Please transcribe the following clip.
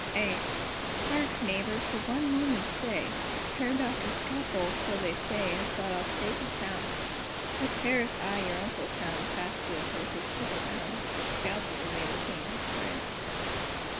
A. Hark, neighbor, for one moment stay! Herr Doctor Scalpel, so they say, Has got off safe and sound; At Paris I your uncle found Fast to a horse's crupper bound, Yet Scalpel made a king his prey.